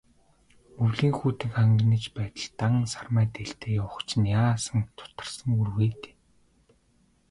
Өвлийн хүйтэн хангинаж байтал, дан сармай дээлтэй явах чинь яасан зутарсан үр вэ дээ.